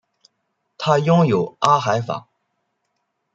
它拥有阿海珐。